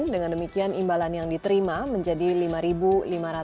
dengan demikian imbalan yang diterima menjadi lima rupiah